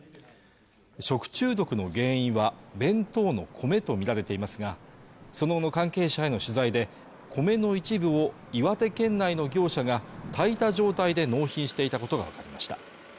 食中毒の原因は弁当の米とみられていますがその後の関係者への取材で米の一部を岩手県内の業者が炊いた状態で納品していたことが分かりました